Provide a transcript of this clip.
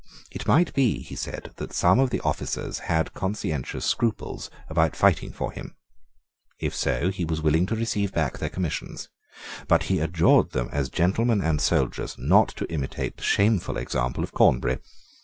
It might be, he said, that some of the officers had conscientious scruples about fighting for him. If so he was willing to receive back their commissions. But he adjured them as gentlemen and soldiers not to imitate the shameful example of Cornbury.